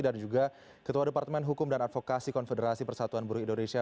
dan juga ketua departemen hukum dan advokasi konfederasi persatuan buruh indonesia